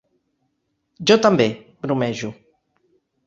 Jo també —bromejo.